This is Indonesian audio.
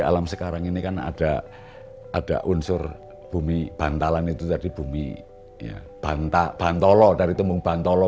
alam sekarang ini kan ada ada unsur bumi bantalan itu tadi bumi banta bantalo dari tembung bantolo